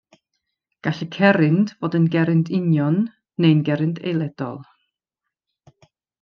Gall y cerrynt fod yn gerrynt union neu'n gerrynt eiledol.